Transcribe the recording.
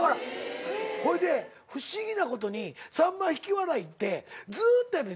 ほいで不思議なことにさんま引き笑いってずっとやね